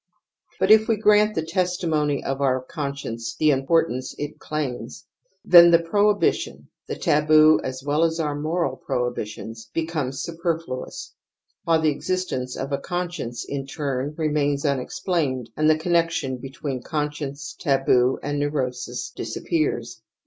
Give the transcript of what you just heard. iBut if we grant the testimony of our conscience the importance it claims, then the prohibition — the taboo as well as our moral prohibitions— be comes superfluous, while the existence of a con science, in turn, remains unexplained and the connection between conscience, taboo and neu rosis disappears.